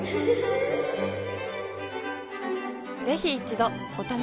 ぜひ一度お試しを。